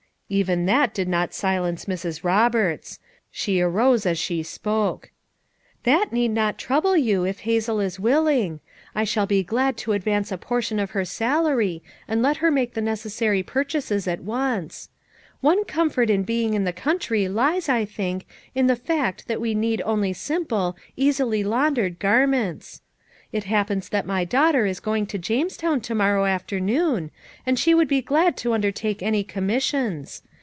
Even that did not silence Mrs. Roberts. She arose as she spoke. "That need not trouble you if Hazel is will 266 FOUE MOTHERS AT CHAUTAUQUA ing; I shall be glad to advance a portion of her salary and let her make the necessary pur chases at once. One comfort in being in the country lies, I think, in the fact that we need only simple, easily laundered garments. It happens that my daughter is going to James town to morrow afternoon, and she would be glad to undertake any commissions.